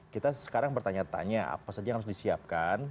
kita sekarang bertanya tanya apa saja yang harus disiapkan